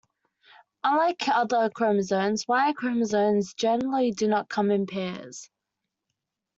Unlike other chromosomes, Y chromosomes generally do not come in pairs.